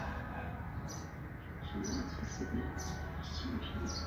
杜预也成为历史上唯一在文庙和武庙中都受到祭祀的贤臣。